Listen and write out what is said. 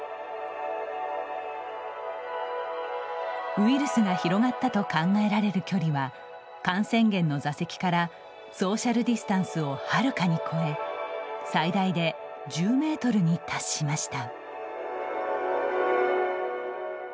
ウイルスが広がったと考えられる距離は感染源の座席からソーシャルディスタンスをはるかに超え最大で１０メートルに達しました。